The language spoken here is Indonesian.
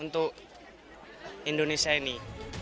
untuk indonesia ini